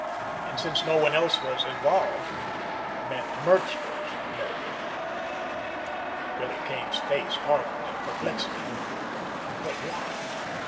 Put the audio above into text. And, since no one else was involved, meant Merxler's murder. Billy Kane's face hardened in perplexity. But why?